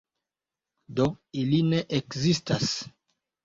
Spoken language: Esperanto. Do ili ne ekzistas.